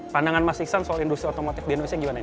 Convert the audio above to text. pandangan mas iksan soal industri otomotif di indonesia gimana